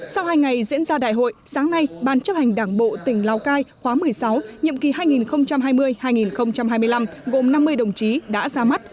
sau hai ngày diễn ra đại hội sáng nay ban chấp hành đảng bộ tỉnh lào cai khóa một mươi sáu nhiệm kỳ hai nghìn hai mươi hai nghìn hai mươi năm gồm năm mươi đồng chí đã ra mắt